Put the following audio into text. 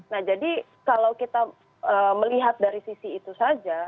nah jadi kalau kita melihat dari sisi itu saja